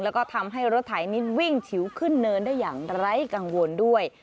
แล้วก็ทำให้รถไถนิดวิ่งฉิวขึ้นเนินได้อย่างไร้กังวลด้วย